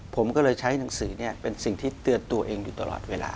ผมก็เลยใช้หนังสือเป็นสิ่งที่เตือนตัวเองอยู่ตลอดเวลา